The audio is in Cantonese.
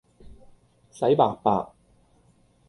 洗白白